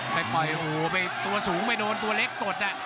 ไปไปหัวไปตัวสูงไปโดนตัวเล็กตัด